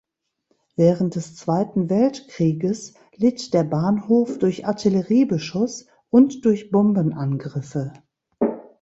Während des Zweiten Weltkrieges litt der Bahnhof durch Artilleriebeschuss und durch Bombenangriffe.